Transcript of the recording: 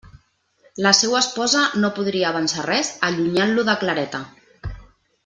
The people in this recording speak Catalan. La seua esposa no podria avançar res allunyant-lo de Clareta.